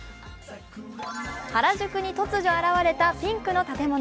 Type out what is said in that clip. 原宿に突如現れたピンクの建物。